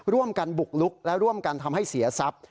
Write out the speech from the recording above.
ร่วมกันบุกลุกและร่วมกันทำให้เสียทรัพย์